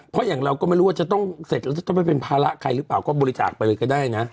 เพราะอย่างเราก็ไม่รู้ว่าจะต้องเสร็จแล้วจะต้องไปเป็นภาระใครหรือเปล่าก็บริจาคไปเลยก็ได้นะ